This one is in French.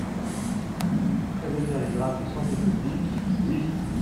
Prévenir les drames de santé publique, oui.